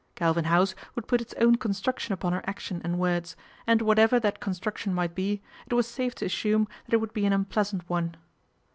Galvin House would put its own construction upon her action and words, and whatever that construc tion might be, it was safe to assume that it would be an unpleasant one.